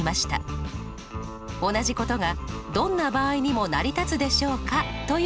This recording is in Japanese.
「同じことがどんな場合にも成り立つでしょうか？」という問題です。